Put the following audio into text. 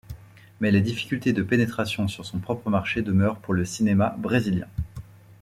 Mais les difficultés de pénétration sur son propre marché demeure pour le cinéma brésilien.